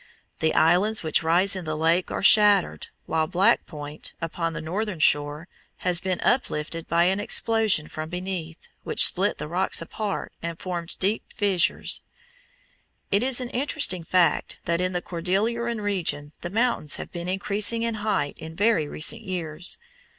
The islands which rise in the lake are shattered, while Black Point, upon the northern shore, has been uplifted by an explosion from beneath, which split the rocks apart and formed deep fissures. It is an interesting fact that in the Cordilleran region the mountains have been increasing in height in very recent years.